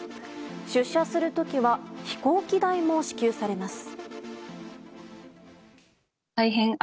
出社する時は飛行機代も支給されます。